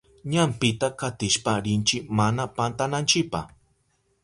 Ñampita katishpa rinchi mana pantananchipa.